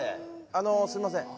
あのすいません